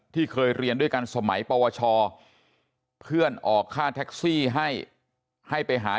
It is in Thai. เคยเรียนด้วยกันสมัยปวชเพื่อนออกค่าแท็กซี่ให้ให้ไปหา